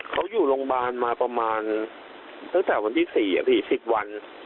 เขาอยู่โรงพยาบาลมาประมาณตั้งแต่วันที่๔พี่๑๐วัน